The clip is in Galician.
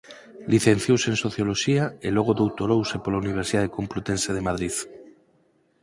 Licenciouse en Socioloxía e logo doutorouse pola Universidade Complutense de Madrid.